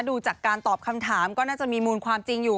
ดูจากการตอบคำถามก็น่าจะมีมูลความจริงอยู่